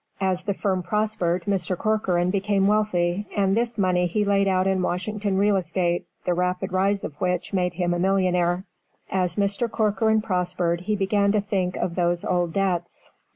As the firm prospered, Mr. Corcoran became wealthy, and this money he laid out in Washington real estate, the rapid rise of which made him a millionaire. As Mr. Corcoran prospered he began to think of those old debts.